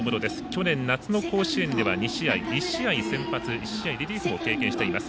去年夏の甲子園では２試合１試合先発１試合リリーフも経験しています。